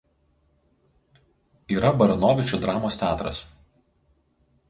Yra Baranovičių dramos teatras.